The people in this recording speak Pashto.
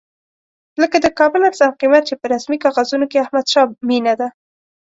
لکه د کابل ارزان قیمت چې په رسمي کاغذونو کې احمدشاه مېنه ده.